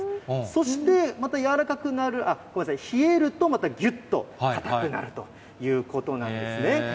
そして、またやわらかくなる、ごめんなさい、冷えると、またぎゅっと硬くなるということなんですね。